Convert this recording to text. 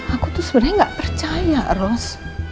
aku tuh sebenarnya gak percaya ros